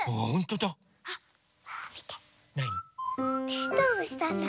てんとうむしさんだ！